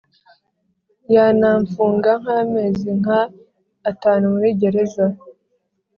Yanamfunga nkamezi nka atanu muri gereza